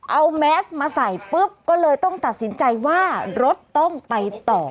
เอาแมสมาใส่ปุ๊บก็เลยต้องตัดสินใจว่ารถต้องไปต่อ